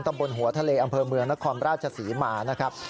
ตำบลหัวทะเลอำเภอเมืองนครราชศรีมานะครับ